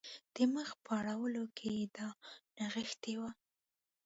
د مخ په اړولو کې یې دا نغښتي وو.